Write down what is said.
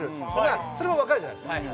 あそれも分かるじゃないですか